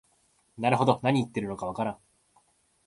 なるほど、なに言ってるのかわからん